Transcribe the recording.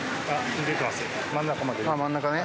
真ん中ね。